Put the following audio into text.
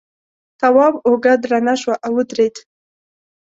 تواب اوږه درنه شوه او ودرېد.